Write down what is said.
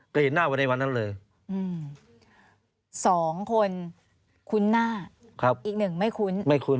ก็เห็นหน้าวันในวันนั้นเลยอืมสองคนคุ้นหน้าครับอีกหนึ่งไม่คุ้นไม่คุ้น